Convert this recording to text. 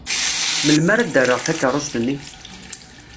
Melmi ara d-rreɣ takeṛṛust-nni?